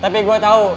tapi gua tau